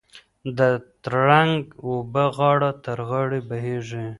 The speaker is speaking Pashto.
د ترنګ اوبه غاړه تر غاړې بهېږي.